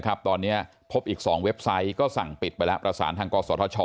ตอนนี้พบอีก๒เว็บไซต์ก็สั่งปิดไปแล้วประสานทางกศธช